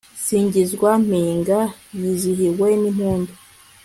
singizwa mpinga yizihiwe n'impundu